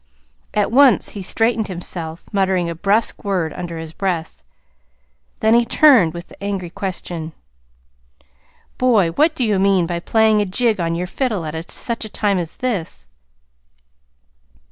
At once he straightened himself, muttering a brusque word under his breath. Then he turned with the angry question: "Boy, what do you mean by playing a jig on your fiddle at such a time as this?"